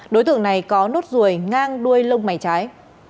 đối tượng này có nốt ruồi ngang đuôi lông mày trái